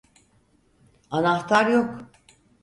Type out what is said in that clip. Anahtar yok.